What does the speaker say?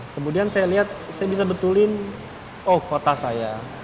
kemudian saya lihat saya bisa betulin oh kota saya